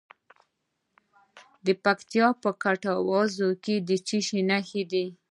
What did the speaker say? د پکتیکا په کټواز کې د څه شي نښې دي؟